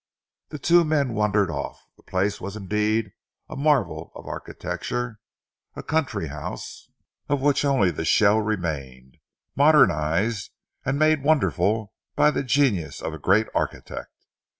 The two men wandered off. The place was indeed a marvel of architecture, a country house, of which only the shell remained, modernised and made wonderful by the genius of a great architect.